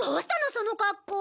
その格好！